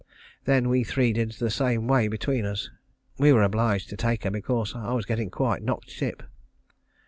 Then we three did the same way between us. We were obliged to take her because I was getting quite knocked tip.